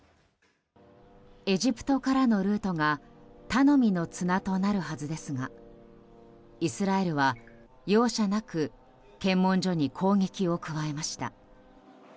エジプトからのルートが頼みの綱となるはずですがイスラエルは容赦なく検問所に攻撃を加えました。